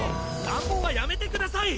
乱暴はやめてください！